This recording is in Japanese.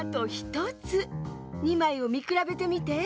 ２まいをみくらべてみて。